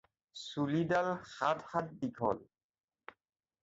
চুলিডাল সাত হাত দীঘল।